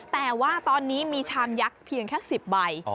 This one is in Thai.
แต่ว่าตอนนี้มีชามยักษ์เพียงแค่๑๐ใบ